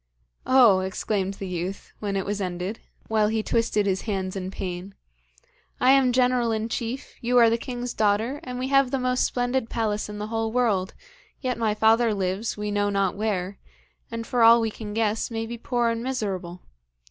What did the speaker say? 'Oh,' exclaimed the youth, when it was ended, while he twisted his hands in pain, 'I am general in chief, you are the king's daughter, and we have the most splendid palace in the whole world, yet my father lives we know not where, and for all we can guess, may be poor and miserable.